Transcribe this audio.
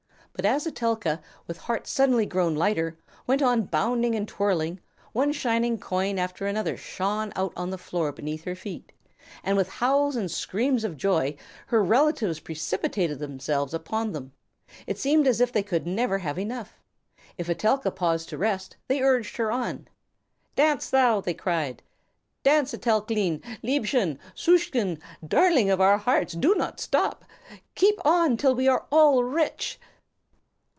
But as Etelka, with heart suddenly grown lighter, went on bounding and twirling, one shining coin after another shone out on the floor beneath her feet, and with howls and screams of joy her relatives precipitated themselves upon them. It seemed as if they could never have enough. If Etelka paused to rest they urged her on. "Dance thou!" they cried. "Dance, Etelklein, liebchen, susschen, darling of our hearts, do not stop! Keep on till we are all rich."